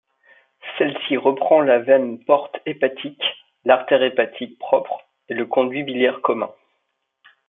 Celle-ci reprend la veine porte hépatique, l'artère hépatique propre et le conduit biliaire commun.